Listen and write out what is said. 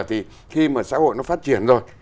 thì khi mà xã hội nó phát triển rồi